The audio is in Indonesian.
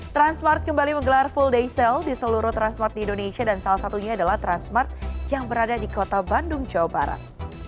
transmart kembali menggelar full day sale di seluruh transmart di indonesia dan salah satunya adalah transmart yang berada di kota bandung jawa barat